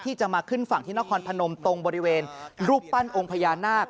ที่จะมาขึ้นฝั่งที่นครพนมตรงบริเวณรูปปั้นองค์พญานาค